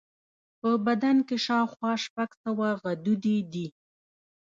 په بدن کې شاوخوا شپږ سوه غدودي دي.